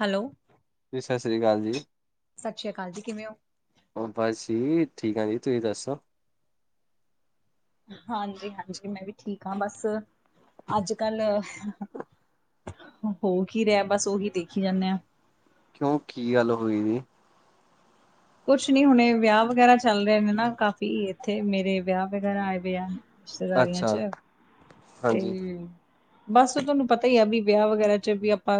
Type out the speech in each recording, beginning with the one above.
Hello. ਸਤਿ ਸ਼੍ਰੀ ਅਕਾਲ ਜੀ। ਸਤਿ ਸ੍ਰੀ ਅਕਾਲੀ ਜੀ, ਕਿਵੇਂ ਹੋ? ਉਹ ਬਸ ਜੀ ਠੀਕ ਆ ਜੀ, ਤੁਸੀਂ ਦੱਸੋ। ਹਾਂਜੀ ਹਾਂਜੀ ਮੈਂ ਵੀ ਠੀਕ ਹਾਂ, ਬਸ ਅੱਜ ਕੱਲ ਹੋ ਕੀ ਰਿਹਾ, ਬਸ ਉਹੀ ਦੇਖੀ ਜਾਂਦੇ ਹਾਂ। ਕਿਉਂ ਕੀ ਗੱਲ ਹੋਈ ਜੀ? ਕੁਛ ਨੀ ਹੁਣੇ ਵਿਆਹ ਵਗੈਰਾ ਚੱਲ ਰਹੇ ਨੇ ਨਾ ਕਾਫ਼ੀ ਇੱਥੇ ਮੇਰੇ ਵਿਆਹ ਵਗੈਰਾ ਆਏ ਦੇ ਆ। ਰਿਸ਼ਤੇਦਾਰੀਆਂ ਅੱਛਾ ਚ ਤੇ ਹਾਂਜੀ, ਬਸ ਤੁਹਾਨੂੰ ਪਤਾ ਹੀ ਆ ਵੀ ਵਿਆਹ ਵਗੈਰਾ ਚ ਵੀ ਆਪਾਂ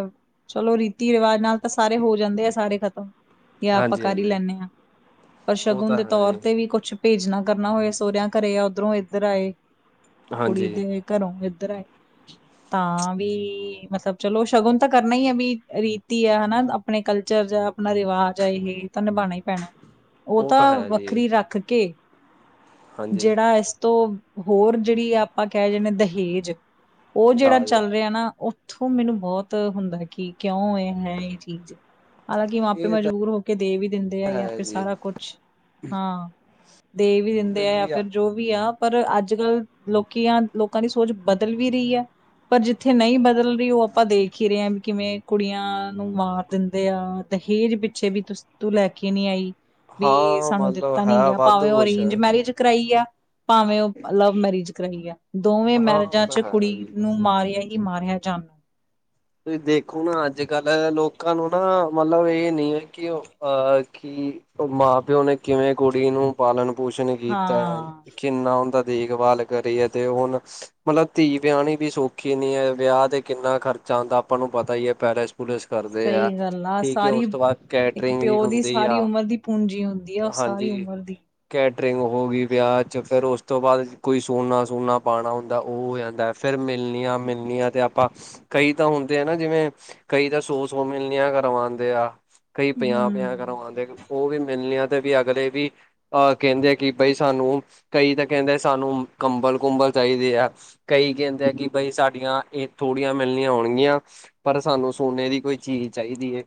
ਚਲੋ ਰੀਤੀ ਰਿਵਾਜ ਨਾਲ ਤਾਂ ਸਾਰੇ ਹੋ ਜਾਂਦੇ ਆ ਸਾਰੇ ਖ਼ਤਮ ਯਾ ਆਪਾਂ ਹਾਂਜੀ, ਕਰ ਈ ਹਾਂਜੀ ਲੈਂਨੇ ਆਂ, ਪਰ ਉਹ ਸ਼ਗੁਨ ਤਾਂ ਦੇ ਹੈ ਤੌਰ ਜੀ, ਤੇ ਵੀ ਕੁੱਛ ਭੇਜਣਾ ਕਰਨਾ ਹੋਏ ਸਹੁਰਿਆਂ ਘਰੇ ਆ ਉੱਧਰੋਂ ਇੱਧਰ ਆਏ, ਕੁੜੀ ਹਾਂਜੀ ਦੇ ਹੋਏ ਘਰੋਂ ਇੱਧਰ ਆਏ ਤਾਂ ਵੀ ਮਤਲਬ ਚਲੋ ਸ਼ਗੁਨ ਤਾਂ ਕਰਨਾ ਹੀ ਹੈ ਵੀ ਰੀਤੀ ਹੈ ਹਨਾ ਆਪਣੇ ਕਲਚਰ ਜਾਂ ਆਪਣਾ ਰਿਵਾਜ ਹੈ ਇਹ ਤਾਂ ਨਿਭਾਉਣਾ ਹੀ ਪੈਣਾ। ਉਹ ਤਾਂ ਵੱਖਰੀ ਰੱਖ ਕੇ ਹਾਂਜੀ ਜਿਹੜਾ ਇਸ ਤੋਂ ਹੋਰ ਜਿਹੜੀ ਆਪਾਂ ਕਹਿ ਜਾਣੇ ਦਹੇਜ ਉਹ ਜਿਹੜਾ ਦਾਜ ਚੱਲ ਰਿਹਾ ਨਾ ਉੱਥੋਂ ਮੈਨੂੰ ਬਹੁਤ ਹੁੰਦਾ ਕਿ ਕਿਉਂ ਇਹ ਹੈ ਇਹ ਚੀਜ਼। ਹਾਲਾਂਕਿ ਮਾਪੇ ਇਹ ਤਾਂ ਮਜਬੂਰ ਹੋ ਕੇ ਦੇ ਵੀ ਦਿੰਦੇ ਆ ਜਾਂ ਹੈ ਫਿਰ ਜੀ, ਸਾਰਾ ਕੁਛ ਹਾਂ। ਦੇ ਵੀ ਦਿੰਦੇ ਆ ਜਾਂ ਜੀ ਫਿਰ ਜੋ ਵੀ ਆ ਪਰ ਅੱਜ ਕੱਲ ਲੋਕੀਆਂ ਲੋਕਾਂ ਦੀ ਸੋਚ ਬਦਲ ਵੀ ਰਹੀ ਹੈ। ਪਰ ਜਿੱਥੇ ਨਹੀਂ ਬਦਲ ਰਹੀ ਉਹ ਆਪਾਂ ਦੇਖ ਹੀ ਰਹੇ ਹਾਂ ਵੀ ਕਿਵੇਂ ਕੁੜੀਆਂ ਨੂੰ ਮਾਰ ਦਿੰਦੇ ਆ ਦਹੇਜ ਪਿੱਛੇ ਵੀ ਤੂੰ ਲੈ ਕੇ ਨੀ ਆਈ ਵੀ ਹਾਂ ਸਾਨੂੰ ਮਤਲਬ ਦਿੱਤਾ ਹੈ ਨੀ ਗਯਾ ਵਾਧੂ ਭਾਵੇਂ ਉਹ ਕੁਛ, ਅਰੇਂਜ ਮੈਰਿਜ ਕਰਾਈ ਆ ਭਾਵੇਂ ਉਹ ਲਵ ਮੈਰਿਜ। ਰਹੀ ਹੈ, ਦੋਵੇਂ ਹਾਂ ਉਹ ਮੈਰਿਜਾਂ ਤਾਂ ਚ ਹੈ ਕੁੜੀ ਜੀ। ਨੂੰ ਮਾਰਿਆ ਹੀ ਮਾਰਿਆ ਜਾਂਦਾ। ਤੁਸੀਂ ਦੇਖੋ ਨਾ ਅੱਜ ਕੱਲ੍ਹ ਲੋਕਾਂ ਨੂੰ ਨਾ ਮਤਲਬ ਇਹ ਨਹੀਂ ਹੈ ਕਿਹ ਕੀ ਮਾਂ ਪਿਓ ਨੇ ਕਿਵੇਂ ਕੁੜੀ ਨੂੰ ਪਾਲਣ ਪੋਸ਼ਣ ਕੀਤਾ ਐ ਹਾਂ ਕਿੰਨਾ ਉਂਦਾ ਦੇਖਭਾਲ ਕਰੀ ਹੈ ਤੇ ਹੁਣ ਮਤਲਬ ਧੀ ਵਿਆਹਣੀ ਵੀ ਸੌਖੀ ਨੀ ਹੈ ਵਿਆਹ ਤੇ ਕਿੰਨਾ ਖਰਚ ਜਾਂਦਾ ਆਪਾਂ ਨੂੰ ਪਤਾ ਹੀ ਹੈ ਪੈਲਿਸ ਪੁਲਿਸ ਕਰਦੇ ਆ ਸਹੀ ਗੱਲ ਠੀਕ ਹੈ ਸਾਰੀ ਉਸ ਤੋਂ ਬਾਅਦ ਇੱਕ ਕੈਟਰਿੰਗ ਵੀ ਪਿਓ ਦੀ ਹੁੰਦੀ ਸਾਰੀ ਆ। ਉਮਰ ਦੀ ਪੂੰਜੀ ਹੁੰਦੀ ਆ ਉਹ ਸਾਰੀ ਹਾਂਜੀ ਉਮਰ ਦੀ। ਕੈਟਰਿੰਗ ਹੋ ਗਈ ਵਿਆਹ ਚ ਫੇਰ ਉਸ ਤੋਂ ਬਾਅਦ ਕੋਈ ਸੋਨਾ ਸੋਨਾ ਪਾਉਣਾ ਹੁੰਦਾ ਉਹ ਹੋ ਜਾਂਦਾ। ਫਿਰ ਮਿਲਣੀ ਆਂ - ਮਿਲਣੀ ਆਂ ਤੇ ਆਪਾਂ ਕਈ ਤਾਂ ਹੁੰਦੇ ਆ ਨਾ ਜਿਵੇਂ ਕਈ ਤਾਂ ਸੋ- ਸੋ ਮਿਲਣੀਆਂ ਕਰਵਾਉਂਦੇ ਆ। ਕਈ ਪੰਜਾਹ-ਪੰਜਾਹ ਕਰ ਹਮ ਆਉਂਦੇ ਉਹ ਵੀ ਮਿਲਣੀਆਂ ਤੇ ਵੀ ਅਗਲੇ ਵੀ ਅਹ ਕਹਿੰਦੇ ਆ ਕਿ ਬਈ ਸਾਨੂੰ ਕਈ ਤਾਂ ਕਹਿੰਦੇ ਸਾਨੂੰ ਕੰਬਲ ਕੁੰਬਲ ਚਾਹੀਦੇ ਆ। ਕਈ ਕਹਿੰਦੇ ਆ ਕਿ ਬਾਈ ਸਾਡੀਆਂ ਇਹ ਥੋੜੀਆਂ ਮਿਲਣੀਆਂ ਹੋਣਗੀਆਂ ਪਰ ਸਾਨੂੰ ਸੋਨੇ ਦੀ ਕੋਈ ਚੀਜ਼ ਚਾਹੀਦੀ ਹੈ।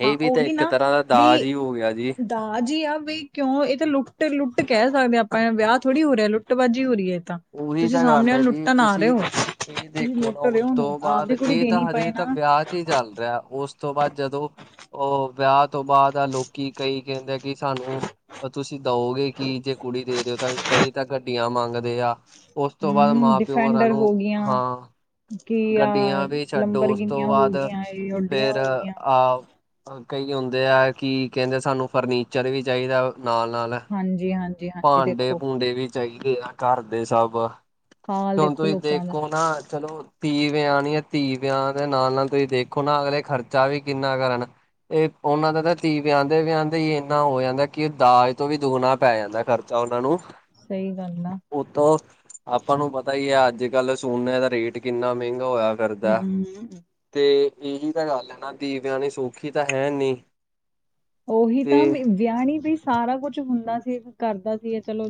ਇਹ ਹਾਂ ਵੀ ਤਾਂ ਉਹੀ ਇੱਕ ਨਾ ਤਰ੍ਹਾਂ ਦਾ ਦਾਜ ਵੀ ਹੀ ਹੋ ਗਿਆ ਜੀ। ਦਾਜ ਜੀ ਆ ਬਈ ਕਿਉਂ ਇਹ ਤਾਂ ਲੁੱਟ -ਲੁੱਟ ਕਹਿ ਸਕਦੇ ਹਾਂ ਆਪਾਂ ਵਿਆਹ ਥੋੜ੍ਹੀ ਹੋ ਰਿਹਾ ਲੁੱਟਬਾਜ਼ੀ ਹੋ ਰਹੀ ਹੈ ਇਹ ਤਾਂ ਉਹੀ ਤੁਸੀਂ ਤਾਂ ਗੱਲ ਸਾਹਮਣੇਯੋ ਹੈ ਜੀ ਲੁੱਟਣ ਆ ਰਹੇ ਤੁਸੀਂ ਹੋ। ਇਹ ਤੁਸੀਂ ਦੇਖੋ ਨਾ ਲੁੱਟ ਰਹੇ ਉਸ ਹੋ ਉਹਨੂੰ ਤੋਂ ਬਾਅਦ ਆਪਦੀ ਕੁੜੀ ਇਹ ਤਾਂ ਦੇਣੀ ਪਏ ਹਜੇ ਨਾ ਤਾਂ ਵਿਆਹ ਚ ਹੀ ਚੱਲ ਰਿਹਾ ਉਸ ਉਸ ਤੋਂ ਬਾਅਦ ਜਦੋਂ ਉਹ ਵਿਆਹ ਤੋਂ ਬਾਅਦ ਆ ਲੋਕੀ ਕਈ ਕਹਿੰਦੇ ਕਿ ਸਾਨੂੰ ਤੁਸੀਂ ਦਓਗੇ ਕਿ ਜੇ ਕੁੜੀ ਦੇ ਰਹੇ ਹੋ ਤਾਂ ਕਈ ਤਾਂ ਗੱਡੀਆਂ ਮੰਗਦੇ ਆ। ਉਸ ਤੋਂ ਬਾਅਦ ਹਮ ਮਾਂ ਪਿਓ ਹੋਰਾਂ ਡਿਫੈਂਡਰ ਨੂੰ ਹੋ ਗਈਆਂ ਹਾਂ। ਕੀ ਆ ਗੱਡੀਆਂ ਵੀ ਛੱਡੋ ਲੰਬਰ ਉਸ ਤੋਂ ਗਿਨੀਆਂ ਹੋ ਬਾਅਦ ਗਈਆਂ ਓਡੀਆਂ ਫਿਰ ਹੋ ਗਈਆਂ ਆਹ ਕਈ ਹੁੰਦੇ ਆ ਕਿ ਕਹਿੰਦੇ ਸਾਨੂੰ ਫਰਨੀਚਰ ਵੀ ਚਾਹੀਦਾ। ਨਾਲ -ਨਾਲ ਹਾਂਜੀ ਹਾਂਜੀ ਹਾਂਜੀ ਭਾਂਡੇ ਦੇਖੋ ਭੂੰਡੇ ਵੀ ਚਾਹੀਦੇ ਆ ਘਰ ਦੇ ਸਭ ਹਾਲ ਹੁਣ ਦੇਖੋ ਤੁਸੀਂ ਲੋਕਾਂ ਦਾ ਦੇਖੋ ਨਾ ਚਲੋ। ਧੀ ਵਿਆਨੀ ਐ, ਧੀ ਵਿਆਹ ਦੇ ਨਾਲ- ਨਾਲ ਤੁਸੀਂ ਦੇਖੋ ਨਾ ਅਗਲੇ ਖਰਚਾ ਵੀ ਕਿੰਨਾ ਕਰਨ। ਇਹ ਉਹਨਾਂ ਦਾ ਨਾ ਤਾਂ ਧੀ ਵਿਆਂਦੇ ਵਿਆਂਦੇ ਹੀ ਇੰਨਾ ਹੋ ਜਾਂਦਾ ਕਿ ਦਾਜ ਤੋਂ ਵੀ ਦੁਗਣਾ ਪੈ ਜਾਂਦਾ ਘਰ ਤਾ ਉਹਨਾਂ ਨੂੰ ਸਹੀ ਗੱਲ ਨਾ। ਉਤੋਂ ਆਪਾਂ ਨੂੰ ਪਤਾ ਹੀ ਹੈ ਅੱਜ ਕੱਲ ਸੋਨੇ ਦਾ ਰੇਟ ਕਿੰਨਾ ਮਹਿੰਗਾ ਹੋਇਆ। ਕਰਦਾ ਹਮ ਤੇ ਇਹੀ ਤਾਂ ਗੱਲ ਹੈ ਨਾ, ਧੀ ਵਿਆਣੀ ਸੌਖੀ ਤਾਂ ਹੈ। ਨਹੀ ਉਹੀ ਤਾਂ ਵਿਆਣੀ ਵੀ ਸਾਰਾ ਕੁਛ ਹੁੰਦਾ ਸੀ ਕਰਦਾ ਸੀ ਚਲੋ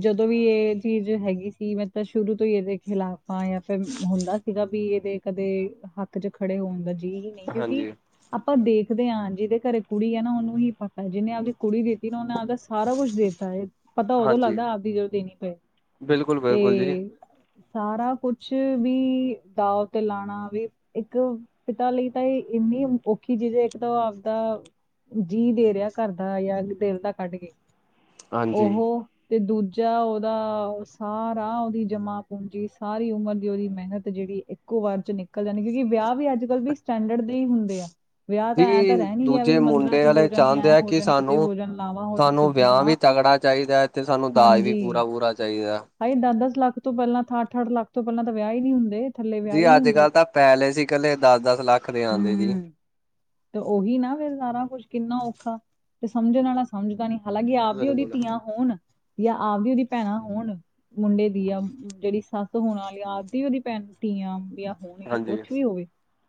ਜਦੋਂ ਵੀ ਇਹ ਚੀਜ਼ ਹੈਗੀ ਸੀ ਮੈਂ ਤਾਂ ਸ਼ੁਰੂ ਤੋਂ ਹੀ ਇਹਦੇ ਖਿਲਾਫ ਆ, ਜਾਂ ਫਿਰ ਹੁੰਦਾ ਸੀਗਾ ਵੀ ਇਹਦੇ ਕਦੇ ਹੱਕ ਚ ਖੜੇ ਹੋਣ ਦਾ ਜੀਅ ਹੀ ਕਿਉਂਕਿ ਹਾਂਜੀ ਆਪਾਂ ਦੇਖਦੇ ਆਂ ਜਿਹਦੇ ਘਰੇ ਕੁੜੀ ਹੈ ਨਾ ਉਹਨੂੰ ਹੀ ਪਤਾ, ਜਿਹਨੇ ਆਪਦੀ ਕੁੜੀ ਦਿੱਤੀ ਨਾ ਉਹਨੇ ਆਪਦਾ ਸਾਰਾ ਕੁੱਛ ਦਿੱਤਾ ਹੈ। ਪਤਾ ਉਦੋਂ ਹਾਂਜੀ ਲੱਗਦਾ ਆਪਦੀ ਜਦੋਂ ਦੇਣੀ ਪਏ ਬਿਲਕੁਲ ਬਿਲਕੁਲ ਜੀ ਤੇ ਸਾਰਾ ਕੁਛ ਵੀ ਦਾਵ ਤੇ ਲਾਉਣਾ ਵੀ ਇੱਕ ਪਿਤਾ ਲਈ ਤਾਂ ਇੰਨੀ ਔਖੀ ਚੀਜ਼ ਹੈ। ਇੱਕ ਤਾਂ ਉਹ ਆਪਦਾ ਜੀਅ ਦੇ ਰਿਹਾ ਘਰ ਦਾ, ਜਾਂ ਦਿਲ ਦਾ ਕੱਢ ਕੇ ਹਾਂਜੀ ਉਹ ਤੇ ਦੂਜਾ ਔਦਾ ਸਾਰਾ ਉਹਦੀ ਜਮਾ ਪੂੰਜੀ, ਸਾਰੀ ਉਮਰ ਦੀ ਉਹਦੀ ਮਿਹਨਤ ਜਿਹੜੀ ਇੱਕੋ ਵਾਰ ਚ ਨਿਕਲ ਜਾਣੇ ਕਿਉਂਕਿ ਵਿਆਹ ਵੀ ਅੱਜ ਕੱਲ੍ਹ ਵੀ ਸਟੈਂਡਰਡ ਦੇ ਹੀ ਹੁੰਦੇ ਆ। ਵਿਆਹ ਜੀ ਤਾਂ ਐਂ ਤਾਂ ਰਹਿ ਨੀ ਗਯਾ ਦੂਜੇ ਵੀ ਮਤ ਮੁੰਡੇ ਵਾਲੇ ਚਾਹੁੰਦੇ ਹੈ ਕਿ ਸਾਨੂੰ ਲਾਵਾਂ ਹੋ ਜਾਣ ਸਾਨੂੰ ਸਿੱਧੀਆਂ ਵਿਆਹ ਨਾ ਵੀ ਤਗੜਾ ਚਾਹੀਦਾ ਹੈ। ਤੇ ਸਾਨੂੰ ਦਾਜ ਵੀ ਹਾਂਜੀ ਪੂਰਾ ਪੂਰਾ ਚਾਹੀਦਾ। ਹਾਏ ਦਸ ਦਸ ਲੱਖ ਤੋਂ ਪਹਿਲਾਂ ਅੱਠ ਅੱਠ ਲੱਖ ਤੋਂ ਪਹਿਲਾਂ ਤਾਂ ਵਿਆਹ ਹੀ ਨਹੀ ਹੁੰਦੇ। ਥੱਲੇ ਵਿਆਹ ਜੀ ਹੀ ਨਹੀਂ ਅੱਜ ਹੁੰਦੇ ਕਲ ਤਾਂ ਪੈਲਸ ਇਕੱਲੇ ਦਸ ਦਸ ਲੱਖ ਦੇ ਆਉਂਦੇ ਜੀ। ਹੂੰ ਤੇ ਉਹੀ ਨਾ ਫਿਰ ਸਾਰਾ ਕੁਛ ਕਿੰਨਾ ਔਖਾ, ਤੇ ਸਮਝਣ ਵਾਲਾ ਸਮਝਦਾ ਨੀ ਹਾਲਾਂਕਿ ਆਪਦੀ ਉਹਦੀ ਬਿਲਕੁਲ ਧੀਆਂ ਹੋਣ ਜਾਂ ਆਪਦੀ ਉਹਦੀ ਭੈਣਾਂ ਹੋਣ ਮੁੰਡੇ ਦੀ ਆ ਜਿਹੜੀ ਸੱਸ ਹੋਣ ਵਾਲੀ ਆਪਦੀ ਉਹਦੀ ਭੈਣਾਂ ਧੀਆਂ ਹੁੰਦੀਆਂ। ਹੋਣ ਜਾਂ ਹਾਂਜੀ ਕੁਛ ਵੀ ਹੋਵੇ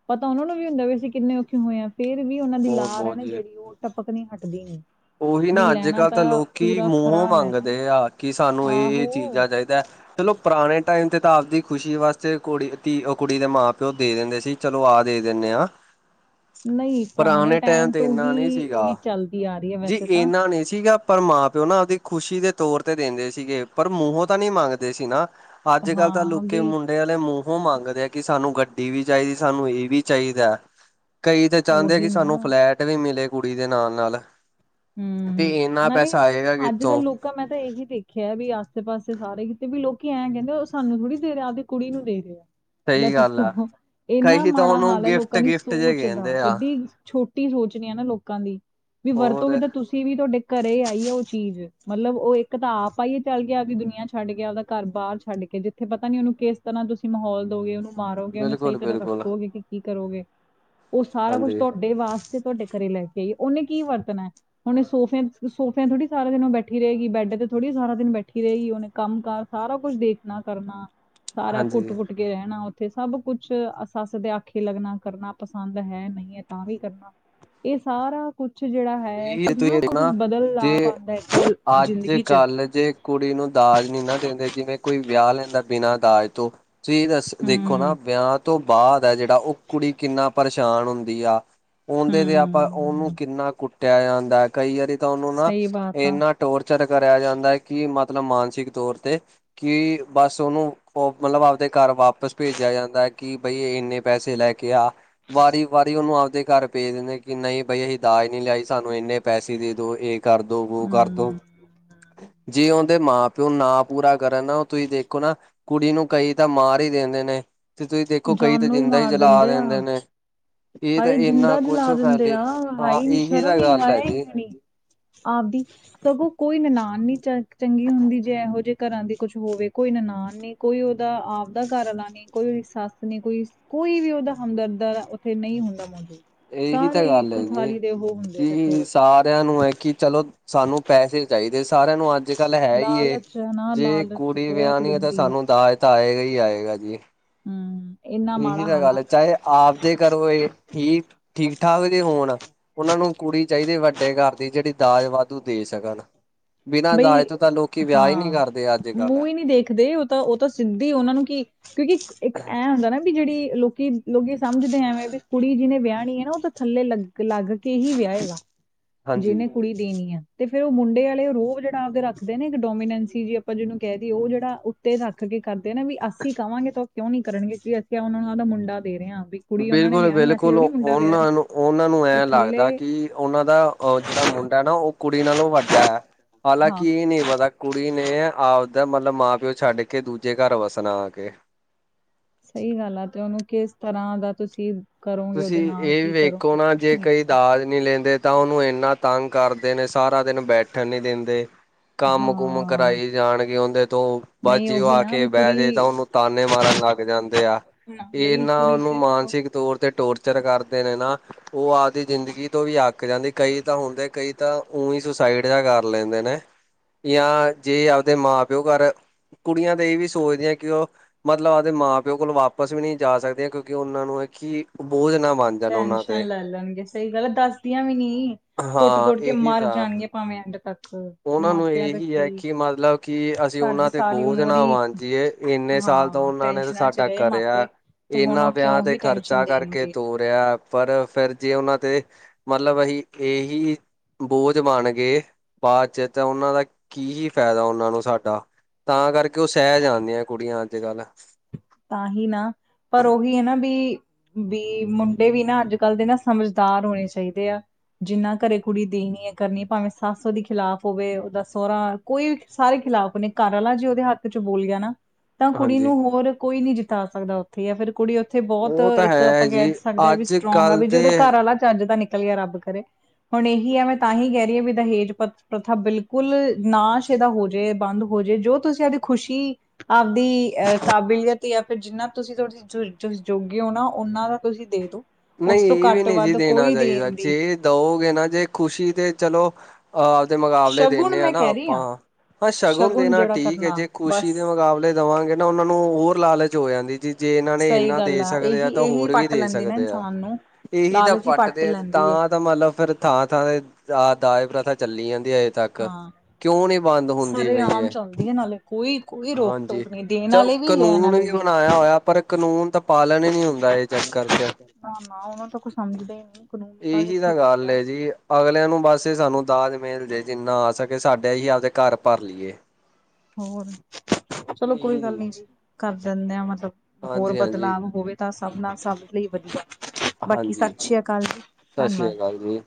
ਪਤਾ ਉਹਨਾਂ ਨੂੰ ਵੀ ਹੁੰਦਾ ਵੀ ਅਸੀਂ ਕਿੰਨੇ ਔਖੇ ਹੋਏ ਹਾਂ ਫਿਰ ਵੀ ਉਹਨਾਂ ਦੀ ਲਾਰ ਬਹੁਤ-ਬਹੁਤ ਹੈਨਾ ਜੀ। ਉਹ ਟਪਕਨੀ ਹਟਦੀ ਨਹੀ ਉਹੀ ਨਾ ਅੱਜ ਕੱਲ੍ਹ ਤਾਂ ਲੋਕੀ ਮੂੰਹੋਂ ਖਰਾ ਲੈਣਾ ਹੈ। ਮੰਗਦੇ ਆ ਕਿ ਸਾਨੂੰ ਇਹ ਚੀਜ਼ ਆ ਆਹੋ ਚਾਹੀਦਾ। ਚਲੋ ਪੁਰਾਣੇ ਟਾਈਮ ਤੇ ਤਾਂ ਆਪਦੀ ਖੁਸ਼ੀ ਵਾਸਤੇ ਕੁੜੀ ਧੀ ਉਹ ਕੁੜੀ ਦੇ ਮਾਂ ਪਿਓ ਦੇ ਦਿੰਦੇ ਸੀ। ਚਲੋ ਆ ਦੇ ਦਿੰਦੇ ਹਾਂ ਨਹੀਂ ਪੁਰਾਣੇ ਟਾਈਮ ਤੇ ਤੋਂ ਇੰਨਾ ਹੀ ਨਹੀਂ ਇਹ ਸੀਗਾ। ਚੱਲਦੀ ਆ ਰਹੀ ਹੈ ਜੀ ਵੈਸੇ ਤਾਂ ਇੰਨਾ ਨਹੀਂ ਸੀਗਾ, ਪਰ ਮਾਂ ਪਿਓ ਨਾ ਆਪਦੀ ਖੁਸ਼ੀ ਦੇ ਤੌਰ ਤੇ ਦਿੰਦੇ ਸੀਗੇ ਪਰ ਮੂੰਹੋਂ ਤਾਂ ਨਹੀ ਮੰਗਦੇ ਸੀਨਾ ਅੱਜ ਕੱਲ੍ਹ ਤਾਂ ਹਾਂ ਲੋਕੀ ਮੁੰਡ ਵੀ ਮੁੰਡੇ ਵਾਲੇ ਮੂੰਹੋਂ ਮੰਗਦੇ ਆ ਕਿ ਸਾਨੂੰ ਗੱਡੀ ਵੀ ਚਾਹੀਦੀ ਸਾਨੂੰ ਇਹ ਵੀ ਚਾਹੀਦਾ। ਕਈ ਤੇ ਚਾਹੁੰਦੇ ਆ ਉਹੀ ਕਿ ਸਾਨੂੰ ਨਾ ਫਲੈਟ ਵੀ ਮਿਲੇ ਕੁੜੀ ਦੇ ਨਾਲ ਨਾਲ ਹੂ ਤੇ ਹੂ ਇੰਨਾ ਨਾਲੇ ਪੈਸਾ ਆਏਗਾ ਅੱਜ ਕਿੱਥੋਂ ਕੱਲ੍ਹ ਲੋਕੀ ਮੈਂ ਤਾਂ ਇਹੀ ਦੇਖਿਆ ਵੀ ਆਸੇ ਪਾਸੇ ਸਾਰੇ ਕੀਤੇ ਵੀ ਲੋਕੀ ਐਂ ਕਹਿੰਦੇ, ਉਹ ਸਾਨੂੰ ਥੋੜ੍ਹੀ ਦੇ ਰਿਹਾ ਆਪਦੀ ਕੁੜੀ ਨੂੰ ਦੇ ਰਿਹੇ ਆ। ਲੈ ਸਹੀ ਗੱਲ ਆ ਦੱਸੋ ਇੰਨਾ ਕਈ ਤਾਂ ਮਾੜਾ ਉਹਨੂੰ ਹਾਲ ਹੈ ਗਿਫਟ ਲੋਕਾਂ ਦੀ ਗਿਫਟ ਜੇ ਸੋਚ ਦਾ ਕਹਿੰਦੇ ਆ ਏਡੀ ਛੋਟੀ ਕੀ ਸੋਚ ਨੀ ਆ ਨਾ ਲੋਕਾਂ ਦੀ ਵੀ ਵਰਤੋਗੇ ਹੋਰ ਤਾਂ ਤੁਸੀਂ ਵੀ ਤੁਹਾਡੇ ਘਰੇ ਆਈਏ ਉਹ ਚੀਜ਼ ਮਤਲਬ ਉਹ ਇੱਕ ਤਾਂ ਆਪ ਆਈਏ ਚੱਲ ਗਿਆ ਆਪਦੀ ਦੁਨੀਆਂ ਛੱਡ ਗਿਆ ਆਪਦਾ ਘਰ ਬਾਹਰ ਛੱਡ ਕੇ ਜਿੱਥੇ ਪਤਾ ਨੀ ਉਹਨੂੰ ਕਿਸ ਤਰ੍ਹਾਂ ਤੁਸੀ ਮਾਹੌਲ ਦੋਗੇ ਉਹਨੂੰ ਮਾਰੋਗੇ ਉਹਨੂੰ ਸਹੀ ਬਿਲਕੁਲ ਤਰ੍ਹਾਂ ਬਿਲਕੁਲ ਰੱਖੋਗੇ ਕਿ ਕੀ ਕਰੋਗੇ, ਉਹ ਸਾਰਾ ਕੁਛ ਹਾਂਜੀ ਤੁਹਾਡੇ ਵਾਸਤੇ ਤੁਹਾਡੇ ਘਰੇ ਲੈ ਕੇ ਆਈਏ, ਉਹਨੇ ਕੀ ਵਰਤਣਾ ਹੁਣੇ ਸੋਫੇ ਸੋਫਿਆਂ ਥੋੜ੍ਹੀ ਸਾਰ ਦਿਨ ਬੈਠੀ ਰਹੇਗੀ, ਬੈਡ ਤੇ ਥੋੜ੍ਹੀ ਸਾਰਾ ਦਿਨ ਬੈਠੀ ਰਹੇਗੀ ਉਹਨੇ ਕੰਮ ਕਾ ਸਾਰਾ ਕੁਝ ਦੇਖਣਾ ਕਰਨਾ ਸਾਰਾ ਘੁੱਟ ਘੁੱਟ ਹਾਂਜੀ ਘੁੱਟ ਕੇ ਅੱਗੇ ਰਹਿਣਾ ਉੱਥੇ ਸਭ ਕੁਛ ਸੱਸ ਦੇ ਆਖੇ ਲੱਗਣਾ ਕਰਨਾ ਪਸੰਦ ਹੈ ਨਹੀਂ ਹੈ ਤਾਂ ਵੀ ਕਰਨਾ ਇਹ ਸਾਰਾ ਕੁਛ ਜਿਹੜਾ ਹੈ। ਇਹ ਕਿੰਨਾ ਤੁਸੀਂ ਕੁੱਝ ਦੇਖਣਾ ਬਦਲਾਵ ਜੇ ਆਉਂਦਾ ਐ, ਅੱਜ ਜ਼ਿੰਦਗੀ ਚ ਕੱਲ ਜੇ ਕੁੜੀ ਨੂੰ ਦਾਜ ਨੀ ਨਾ ਦੇਦੇ, ਜਿਵੇਂ ਕੋਈ ਵਿਆਹ ਲੈਂਦਾ ਬਿਨਾਂ ਦਾਜ ਤੋਂ ਤੁਸੀਂ ਦੱਸ ਦੇਖੋ ਨਾ ਹੂੰ ਵਿਆਹ ਤੋਂ ਬਾਅਦ ਹੈ ਜੇੜਾ ਓਕੁੜੀ ਕਿੰਨਾ ਪਰੇਸ਼ਾਨ ਹੁੰਦੀ ਆ। ਓਦੇ ਤੇ ਆਪਾਂ ਓਨੂੰ ਹੂੰ ਕਿੰਨਾ ਕੁੱਟਿਆ ਜਾਂਦਾ ਐ ਕਈ ਵਾਰੀ ਤਾਂ ਓਨੂੰ ਨਾ ਸਹੀ ਬਾਤ ਆ ਇੰਨਾ ਟੋਰਚਰ ਕਰਿਆ ਜਾਂਦਾ ਹੈ ਕਿ ਮਤਲਬ ਮਾਨਸਿਕ ਤੌਰ ਤੇ ਕਿ ਬਸ ਓਨੂੰ ਓ ਮਤਲਬ ਆਪਦੇ ਘਰ ਵਾਪਸ ਭੇਜਿਆ ਜਾਂਦਾ ਕਿ ਬਈ ਏਨੇ ਪੈਸੇ ਲੈ ਕੇ ਕਿਹਾ ਵਾਰੀ-ਵਾਰੀ ਓਨੂੰ ਆਪਦੇ ਘਰ ਭੇਜ ਦਿੰਦੇ ਕਿ ਨਈ ਬਈ ਏਹ ਦਾਜ ਨੀ ਲਿਆਈ। ਸਾਨੂੰ ਏਨੇ ਪੈਸੇ ਦੇ ਦੋ ਏ ਕਰਦੋ ਵੋ ਕਰ ਦੋ ਹੂੰ ਜੇ ਉਂਦੇ ਮਾਂ ਤੇ ਉਹ ਨਾ ਪੂਰਾ ਕਰਨ ਨਾ ਉਹ ਤੁਸੀਂ ਦੇਖੋ ਨਾ ਕੁੜੀ ਨੂੰ ਕਈ ਤਾਂ ਮਾਰ ਹੀ ਦੇਦੇ ਨੇ। ਤੇ ਤੁਸੀਂ ਦੇਖੋ ਕਈ ਤਾਂ ਜਾਨੋਂ ਜਿੰਦਾ ਹੀ ਮਾਰ ਜਲਾ ਦਿੰਦੇ ਆ ਨੇ। ਏ ਤਾਂ ਹਾਏ ਏਨਾ ਜਿੰਦਾ ਕੁਛ ਜਲਾ ਦਿੰਦੇ ਫੈਲੇ ਆ ਹਾਂ ਹਾਏ ਨੀ ਏਹੀ ਤਾਂ ਸ਼ਰਮ ਹੀ ਗੱਲ ਹੈ ਹਾਏ ਜੀ। ਆਪਦੀ ਸਗੋਂ ਕੋਈ ਨਨਾਨ ਨੀ ਚ ਚੰਗੀ ਹੁੰਦੀ ਜੇ ਇਹੋ ਜੇ ਘਰਾਂ ਦੀ ਕੁਛ ਹੋਵੇ ਕੋਈ ਨਨਾਨ ਨੀ ਕੋਈ ਓਹਦਾ ਆਪਦਾ ਘਰ ਵਾਲਾ ਨੀ। ਕੋਈ ਓਹਦੀ ਸੱਸ ਨੀ ਕੋਈ-ਕੋਈ ਵੀ ਓਹਦਾ ਹਮਦਰਦ ਉੱਥੇ ਨਹੀਂ ਹੁੰਦਾ ਮੌਜੂਦ। ਇਹੀ ਤਾਂ ਸਾਰੇ ਗੱਲ ਹੈ ਇੱਕੋ ਜੀ ਥਾਲੀ ਦੇ ਉਹੋ ਹੁੰਦੇ ਇਕੱਠੇ ਕਿ ਸਾਰਿਆਂ ਨੂੰ ਐ ਕਿ ਚਲੋ ਸਾਨੂੰ ਪੈਸੇ ਚਾਈਦੇ ਸਾਰਿਆਂ ਨੂੰ ਅੱਜਕੱਲ੍ਹ ਹੈ ਈ ਏ ਲਾਲਚ ਹੈ ਨਾ ਜੇ ਲਾਲਚ ਕੁੜੀ ਬਹੁਤ ਵਿਆਹਨੀ ਹੈ ਤਾਂ ਗੰਦੀ ਆ ਸਾਨੂੰ ਦਾਜ ਤਾਂ ਆਏਗਾ ਹੀ ਆਏਗਾ ਜੀ। ਹਮ ਇੰਨਾ ਏਹੀ ਮਾੜਾ ਤਾਂ ਹਾਲ ਆ ਗੱਲ ਚਾਹੇ ਆਪ ਦੇ ਘਰੋ ਏਹ ਠੀਕ ਠੀਕ-ਠਾਕ ਜੇ ਹੋਣ। ਉਹਨਾਂ ਨੂੰ ਕੁੜੀ ਚਾਹੀਦੀ ਵੱਡੇ ਘਰ ਦੀ ਜੇੜੀ ਦਾਜ ਵਾਧੂ ਦੇ ਸਕਣ। ਬਿਨਾ ਬਈ ਦਾਜ ਤੋ ਤਾਂ ਲੋਕੀ ਵਿਆਹ ਈ ਨੀ ਹਾਂ ਕਰਦੇ। ਅੱਜ ਕੱਲ ਮੂੰਹ ਈ ਨੀ ਦੇਖਦੇ ਓ ਤਾਂ ਓ ਤਾਂ ਸਿੱਧੀ ਓਨਾਂ ਨੂੰ ਕੀ ਕਿਉਂਕਿ ਇੱਕ ਐਂ ਹੁੰਦਾ ਨਾ ਵੀ ਜਿਹੜੀ ਲੋਕ ਕਿ ਲੋਕੀ ਸਮਝਦੇ ਐਵੇਂ ਵੀ ਕੁੜੀ ਜੀਨੇ ਵਿਆਹਣੀ ਐ ਨਾ ਉਹ ਤਾਂ ਥੱਲੇ ਲੱਗ-ਲੱਗ ਕੇ ਹੀ ਵਿਆ ਹਾਂਜੀ। ਜੀਹਨੇ ਕੁੜੀ ਦੇਣੀ ਆ ਤੇ ਫੇਰ ਉਹ ਮੁੰਡੇ ਵਾਲੇ ਰੋਜ਼ ਜਿਹੜਾ ਆਪਦੇ ਰੱਖਦੇ ਨੇ ਇੱਕ ਡੋਮੀਨੈਂਸੀ ਜੀ ਆਪਾਂ ਜਿਹਨੂੰ ਕਹਿ ਦਈਏ ਉਹ ਜੇੜਾ ਉੱਤੇ ਰੱਖ ਕੇ ਕਰਦੇ ਨੇ ਵੀ ਅਸੀਂ ਕਵਾਂਗੇ ਤਾਂ ਕਿਉਂ ਨੀ ਕਰਨਗੇ ਕਿ ਅਸੀਂ ਉਹਨਾਂ ਨੂੰ ਓਦਾ ਮੁੰਡਾ ਦੇ ਰਹੇ ਹਾਂ ਵੀ। ਕੁੜੀ ਉਹਨਾਂ ਨੇ ਵਿਆਹਣੀ ਅਸੀਂ ਬਿਲਕੁਲ-ਬਿਲਕੁਲ ਥੋੜੀ ਮੁੰਡਾ ਵਿਆਹ ਰਹੇ ਉਹਨਾਂ ਹਾਂ। ਨੂੰ ਉਹਨਾਂ ਨੂੰ ਤੇ ਐ ਲੱਗਦਾ ਥੱਲੇ ਕਿ ਉਹਨਾਂ ਦਾ ਅ ਜੇੜਾ ਮੁੰਡਾ ਐ ਨਾ ਉਹ ਕੁੜੀ ਨਾਲੋਂ ਵੱਡਾ ਐ ਹਾਂ ਹਾਲਾਂਕਿ ਇਹ ਨੀ ਪਤਾ ਕੁੜੀ ਨੇ ਆਪਦਾ ਮਤਲਬ ਮਾਂ-ਪਿਓ ਛੱਡ ਕੇ ਦੂਜੇ ਘਰ ਵੱਸਣਾ ਆ ਕੇ ਸਹੀ ਗੱਲ ਆ ਤੇ ਉਹਨੂੰ ਕਿਸ ਤਰ੍ਹਾਂ ਦਾ ਤੁਸੀਂ ਕਰੋਗੇ ਉਹਦੇ ਤੁਸੀਂ ਨਾਲ ਏਹ ਵੀ ਕੀ ਵੇਖੋ ਕਰੋਗੇ ਨਾ ਕੁਛ ਜੇ ਨੀ ਕਈ ਪਤਾ। ਦਾਜ ਨੀ ਲੈਂਦੇ ਤਾਂ ਉਹਨੂੰ ਏਨਾ ਤੰਗ ਕਰਦੇ ਨੇ। ਸਾਰਾ ਦਿਨ ਬੈਠਣ ਨੀ ਦਿੰਦੇ। ਕੰਮ ਕੁਮ ਹਾਂ। ਕਰਾਈ ਜਾਣਗੇ ਉਦੇ ਤੋਂ ਨਹੀਂ ਬਸ ਉਹ ਉਹੀ ਆ ਨਾ ਕੇ ਵੀ ਬਹਿ ਜੇ ਤਾਂ ਕੁੜੀ ਉਹਨੂੰ ਤਾਅਨੇ ਮਾਰਨ ਲੱਗ ਜਾਂਦੇ ਆ ਨਾ ਏ ਬਈ ਏਨਾ ਕੁੜੀ ਨੂੰ ਸਿਰਫ ਮਾਨਸਿਕ ਤੌਰ ਤੇ ਟੋਰਚਰ ਕਰਦੇ ਨੇ ਨਾ। ਓ ਆਪਦੀ ਜ਼ਿੰਦਗੀ ਤੋਂ ਵੀ ਅੱਕ ਜਾਂਦੀ ਕਈ ਤਾਂ ਹੁੰਦੇ ਕਈ ਤਾਂ ਊ ਹੀ ਸੁਸਾਈਡ ਜਾ ਕਰ ਲੈਂਦੇ ਨੇ। ਜਾਂ ਜੇ ਆਪਦੇ ਮਾਂ-ਪਿਓ ਘਰ ਕੁੜੀਆਂ ਤਾਂ ਏ ਵੀ ਸੋਚਦੀਆਂ ਕਿ ਉਹ ਮਤਲਬ ਆਪਦੇ ਮਾਂ-ਪਿਓ ਕੋਲ ਵਾਪਸ ਵੀ ਨੀ ਜਾ ਸਕਦੀਆਂ ਕਿਉਂਕਿ ਓਨਾਂ ਨੂੰ ਐ ਕਿ ਬੋਝ ਨਾ ਬਣ ਜਾਣ ਉਹਨਾਂ ਤੇ ਟੈਨਸ਼ਨ ਲੈ ਲੈਣਗੇ ਸਈ ਗੱਲ ਦੱਸਦੀਆਂ ਵੀ ਨੀ। ਹਾਂ, ਕੁੱਟ-ਕੁੱਟ ਕੇ ਏਹੀ ਮਰ ਤਾਂ ਹੈ ਜਾਣਗੇ ਭਾਵੇਂ ਐਂਡ ਤੱਕ ਓਨਾਂ ਨੂੰ ਮਾਪਿਆਂ ਦਾ ਇਹੀ ਹੈ ਕੀ ਕਿ ਮਤਲਬ ਕਿ ਅਸੀਂ ਸਾਡੇ ਉਹਨਾਂ ਤੇ ਸਾਰੀ ਬੋਝ ਉਮਰ ਨਾ ਹੀ ਬਣਜੀਏ ਏਨੇ ਸਾਲ ਤਾਂ ਹਾਂ ਉਹਨਾਂ ਨੇ ਟੈਨਸ਼ਨਾਂ ਚ ਸਾਡਾ ਰਹੇ ਕਰਿਆ। ਮਾਪੇ ਤੇ ਹੁਣ ਏਨਾਂ ਉਹ ਵਿਆਹ ਕਿਉਂ ਤੇ ਹੀ ਖਰਚਾ ਟੈਨਸ਼ਨ ਕਰਕੇ ਦੇਣਗੇ। ਤੋਰਿਆ ਪਰ ਫਿਰ ਜੇ ਓਨਾਂ ਤੇ ਮਤਲਬ ਅਸੀਂ ਏਹੀ ਬੋਝ ਬਣ ਗਏ ਬਾਅਦ ਚ ਤਾਂ ਉਹਨਾਂ ਦਾ ਕੀ ਫਾਇਦਾ ਉਹਨਾਂ ਨੂੰ ਸਾਡਾ। ਤਾਂ ਕਰਕੇ ਓ ਸੈ ਜਾਂਦੀਆਂ ਕੁੜੀਆਂ ਆੱਜ-ਕਾੱਲ। ਤਾਂ ਹੀ ਨਾ, ਪਰ ਓਹੀ ਆ ਨਾ ਬੀ ਬੀ ਮੁੰਡੇ ਵੀ ਨਾ ਆੱਜ-ਕਾੱਲ ਦੇ ਨਾ ਸਮਜਦਾਰ ਹੋਣੇ ਚਾਈਦੇ ਆ। ਜਿੰਨਾ ਘਰੇ ਕੁੜੀ ਦੇਣੀ ਐ ਕਰਨੀ ਐ ਭਾਵੇਂ ਸਾੱਸ ਓਦੀ ਖਿਲਾਫ਼ ਹੋਵੇ ਓਦਾ ਸੋਰਾ ਕੋਈ, ਸਾਰੇ ਖਿਲਾਫ਼ਨੇ ਘਰ ਆਲਾ ਜੇ ਓਦੇ ਹੱਥ ਚ ਬੋਲ ਗੇਆ ਨਾ ਤਾਂ ਕੁੜੀ ਹਾਂਜੀ ਨੂੰ ਹੋਰ ਕੋਈ ਨੀ ਜਿਤਾ ਸਕਦਾ ਓਥੇ ਯਾ ਫੇਰ ਕੁੜੀ ਓਥੇ ਬੋਤ ਉਹ ਤਾਂ ਇੱਕ ਹੈ ਆਪਾਂ ਕੈ ਜੀ ਸਕਦੇ ਆ ਵੀ ਅੱਜ ਸਟ੍ਰੌਗ ਆ ਕੱਲ੍ਹ ਵੀ ਜੇ ਓਦੇ ਦੇ ਘਾਰ ਆਲਾ ਚੱਜ ਦਾ ਨਿਕਲ ਗੇਆ ਰੱਬ ਕਰੇ। ਹੁਣ ਏਹੀ ਆ ਮੈਂ ਤਾਂਹੀ ਕੈਰੀ ਆ ਵੀ ਦਹੇਜ ਪ ਪ੍ਰਥਾ ਬਿਲਕੁਲ, ਨਾਸ਼ ਏਦਾ ਹੋਜੇ ਬਾੰਦ ਹੋ ਜੇ ਜੋ ਤੁਸੀਂ ਏਦੀ ਖੁਸ਼ੀ ਆਪਦੀ ਅ ਕਾਬਲੀਅਤ ਤੇ ਯਾ ਫਿਰ ਜਿੰਨਾ ਤੁਸੀਂ ਤੋਡੇ ਜੋ, ਜੋ ਜੋੋਗੇ ਓ ਨਾ ਓਨਾਂ ਦਾ ਤੁਸੀਂ ਦੇ ਦੋ ਉਸ ਨਈ ਤੋਂ ਏ ਵੀ ਘੱਟ ਨੀ ਸੀ ਵੱਧ ਦੇਨਾ ਕੋਈ ਚਾਈਦਾ ਦੇਣ ਦੀ ਜੇ ਦਓਗੇ ਨਾ ਜੇ ਖੁਸ਼ੀ ਤੇ ਚਲੋ ਆਪਦੇ ਮਕਾਬਲੇ ਸ਼ਗੁਨ ਦੇਨੇ ਆ ਮੈਂ ਨਾ ਕਹਿ ਰਹੀ ਹਾਂ ਆਪਾਂ ਹਾਂ ਸ਼ਗੂਨ ਸ਼ਗੁਨ ਦੇਨਾ ਜਿਹੜਾ ਠੀਕ ਏ ਕਰਨਾ ਜੇ ਖੁਸ਼ੀ ਬਸ ਦੇ ਮਕਾਬਲੇ ਦੇਵਾਂਗੇ ਨਾ ਓਨਾਂ ਨੂੰ ਹੋਰ ਲਾਲਚ ਹੋ ਜਾਂਦੀ ਜੀ ਜੇ ਏਨਾਂ ਨੇ ਸਹੀ ਏਨਾਂ ਗੱਲ ਦੇ ਸਕਦੇ ਆ ਇਹੀ ਤਾਂ ਇਹੀ ਹੋਰ ਵੀ ਪੱਟ ਦੇ ਲੈਂਦੀ ਨਾ ਸਕਦੇ ਆ ਇਨਸਾਨ ਨੂੰ ਏਹੀ ਤਾਂ ਲਾਲਚ ਹੀ ਪੱਟ ਪਾੱਟਦੇ ਆ, ਲੈਂਦੀ ਹੈ ਤਾਂ ਮਤਲਬ ਫੇਰ ਥਾਂ-ਥਾਂ ਤੇ ਦਾ ਦਾਜ ਪ੍ਰਥਾ ਚੱਲੀ ਜਾਂਦੀ ਏ ਤੱਕ, ਹਾਂ ਕੇਓਂ ਨੀ ਬੰਦ ਹੁੰਦੀ ਸਾਰੇ ਪਈ ਏ। [inaudible] ਕੋਈ ਰੋਕ ਹਾਂਜੀ, ਟੋਕ ਨਹੀਂ ਦੇਣ ਚਲ ਵਾਲੇ ਵੀ ਲੈਣ ਕਨੂਨ ਵਾਲੇ ਵੀ ਬਨਾਏਆ ਹੋਏਆ ਪਰ ਕਨੂੰਨ ਤਾਂ ਪਾਲਨ ਈ ਨੀ ਹੁੰਦਾ ਐ। [unintelligible] ਨਾ-ਨਾ, ਓਨਾ ਤਾਂ ਕੁ ਸਮਜਦੇ ਈ ਨੀ ਕਨੂੰਨ ਤਾਂ ਕਿੱਥੇ ਰੈ ਗੇਆ ਅਗਲੇਆਂ ਨੂੰ ਬਾੱਸ ਸਾਨੂੰ ਦਾਜ ਮਿਲ ਜੇ, ਜਿੰਨਾ ਆ ਸਕੇ ਸਾਡੇ ਹੀ ਆਪਦੇ ਘਾਰ ਭਾਰ ਲੀਏ। ਹੋਰ ਚਲੋ ਕੋਈ ਗੱਲ ਨੀ ਜੀ, ਕਾਰ ਦਿੰਨੇ ਆ ਮਤਲਬ ਹੋਰ ਹਾਂਜੀ ਹਾਂਜੀ ਬਦਲਾਵ ਹੋਵੇ ਤਾਂ ਸਾਭ ਨਾਲ ਸਾਭ ਲਈ ਵਦੀਆ, ਬਾਕੀ ਸਾਸ ਹਾਂਜੀ ਸ੍ਰੀ਼ ਕਾਲ ਜੀ ਸਤਿ ਸ੍ਰੀ ਧੰਨਵਾਦ। ਅਕਾਲ ਜੀ